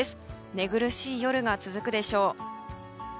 寝苦しい夜が続くでしょう。